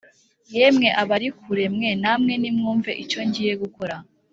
Yemwe abari kure mwe namwe nimwumve icyo ngiye gukora